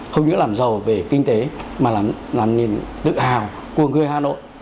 không những làm giàu về kinh tế mà làm nên tự hào của người hà nội